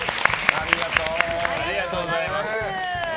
ありがとうございます。